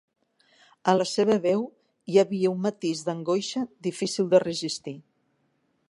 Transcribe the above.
A la seva veu hi havia un matís d'angoixa difícil de resistir.